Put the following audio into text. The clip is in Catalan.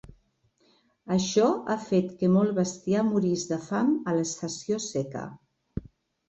Això ha fet que molt bestiar morís de fam a l'estació seca.